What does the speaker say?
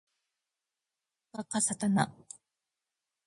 あかかかさたな